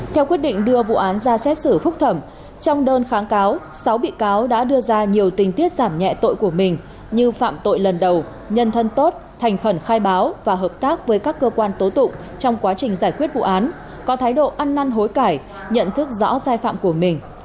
theo quyết định đưa vụ án ra xét xử phúc thẩm trong đơn kháng cáo sáu bị cáo đã đưa ra nhiều tình tiết giảm nhẹ tội của mình như phạm tội lần đầu nhân thân tốt thành khẩn khai báo và hợp tác với các cơ quan tố tụng trong quá trình giải quyết vụ án có thái độ ăn năn hối cải nhận thức rõ sai phạm của mình